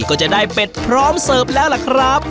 ก็จะได้เป็ดพร้อมเสิร์ฟแล้วล่ะครับ